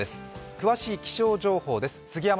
詳しい気象情報です。